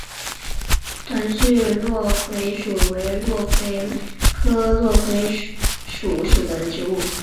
短序落葵薯为落葵科落葵薯属的植物。